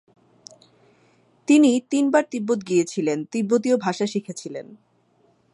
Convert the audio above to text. তিনি তিন বার তিব্বত গিয়েছিলেন, তিব্বতীয় ভাষা শিখেছিলেন।